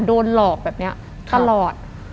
โดนหลอกแบบนี้ตลอด